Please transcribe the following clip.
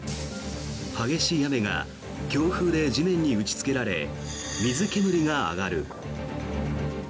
激しい雨が強風で地面に打ちつけられ水煙が上がる。